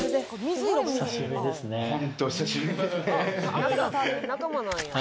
ホントお久しぶりですね